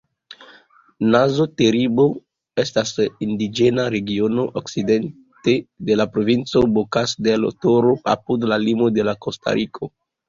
Nazo-Teribo estas indiĝena regiono okcidente de la provinco Bokas-del-Toro, apud la limo de Kostariko.